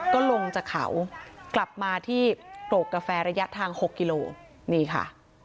ก็ลงจากเขากลับมาที่โกรกกาแฟระยะทาง๖กิโลนี่ค่ะ